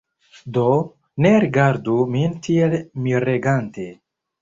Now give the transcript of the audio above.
Do, ne rigardu min tiel miregante!